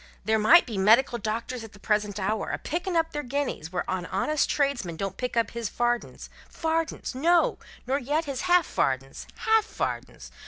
There might be medical doctors at the present hour, a picking up their guineas where a honest tradesman don't pick up his fardens fardens! no, nor yet his half fardens half fardens!